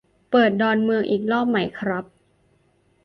เปิดดอนเมืองอีกรอบไหมครับ ?